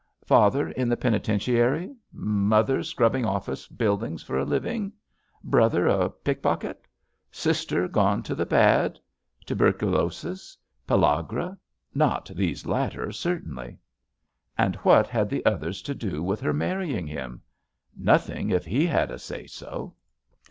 Father in the penitentiary? Mother scrubbing office buildings for a living? Brother a pickpocket? Sister gone to the bad? Tuberculosis? Pellagra? Not these latter, certainly. And what had the others to do with her marrying him? Nothing, if he had a say so.